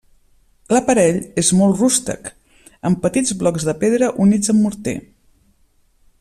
L'aparell és molt rústec, amb petits blocs de pedra units amb morter.